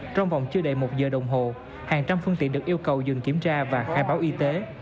trong vòng chưa đầy một giờ đồng hồ hàng trăm phương tiện được yêu cầu dừng kiểm tra và khai báo y tế